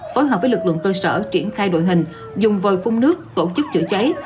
phối hợp với lực lượng cơ sở triển khai đội hình dùng vòi phun nước tổ chức chữa cháy